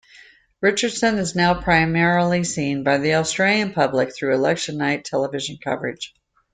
Richardson is now primarily seen by the Australian public through election night television coverage.